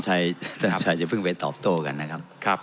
ท่านจองชัยจะเพิ่งไปตอบโต้กันนะครับ